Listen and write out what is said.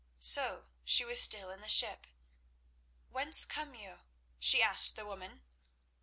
So she was still in the ship. "Whence come you?" she asked the woman.